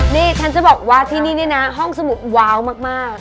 นี่ฉันจะบอกว่าที่นี่นี่นะห้องสมุดว้าวมาก